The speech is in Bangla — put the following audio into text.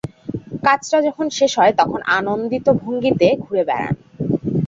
কাজটা যখন শেষ হয় তখন আনন্দিত ভঙ্গিতে ঘুরে বেড়ান।